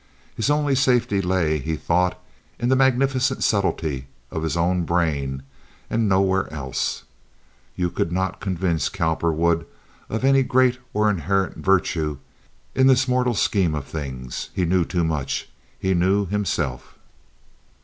His only safety lay, he thought, in the magnificent subtley of his own brain, and nowhere else. You could not convince Cowperwood of any great or inherent virtue in this mortal scheme of things. He knew too much; he knew himself.